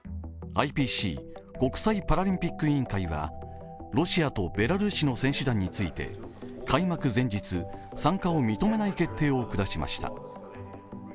ＩＰＣ＝国際パラリンピック委員会はロシアとベラルーシの選手団について、開幕前日参加を認めない決定を下しました。